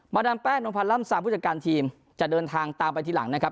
ดามแป้งนมพันธ์ล่ำซามผู้จัดการทีมจะเดินทางตามไปทีหลังนะครับ